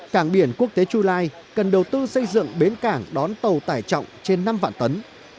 cảng biển quốc tế chu lai cần đầu tư xây dựng bến cảng đón tàu tải trọng trên năm vạn tấn